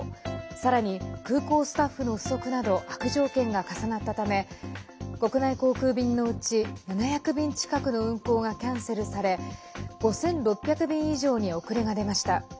さらに、空港スタッフの不足など悪条件が重なったため国内航空便のうち７００便近くの運航がキャンセルされ５６００便以上に遅れが出ました。